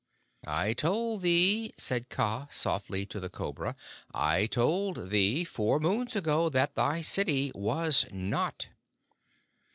"I told thee," said Kaa softly to the Cobra "I told thee, four moons ago, that thy city was not."